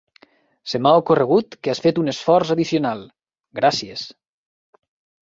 Se m"ha ocorregut que has fet un esforç addicional. Gràcies!